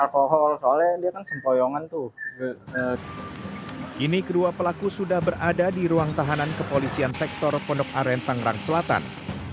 kini kedua pelaku sudah berada di ruang tahanan kepolisian sektor pondok aren tangerang selatan